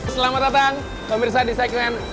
selamat datang pemirsa di segmen